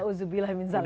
nauzubillah minzalik ya